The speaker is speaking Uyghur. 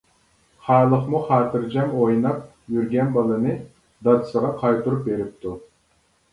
خالىقمۇ خاتىرجەم ئويناپ يۈرگەن بالىنى دادىسىغا قايتۇرۇپ بېرىپتۇ.